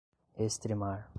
estremar